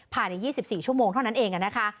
ภายใน๒๔ชั่วโมงเท่านั้นเองนะคะ